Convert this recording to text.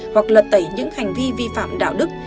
hoặc lật tẩy những hành vi vi phạm đạo đức